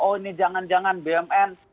oh ini jangan jangan bumn